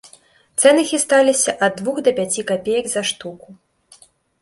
Цэны хісталіся ад двух да пяці капеек за штуку.